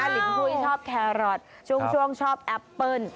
ลินหุ้ยชอบแครอทช่วงชอบแอปเปิ้ล